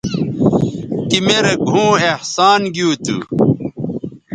تی می رے گھؤں احسان گیو تھو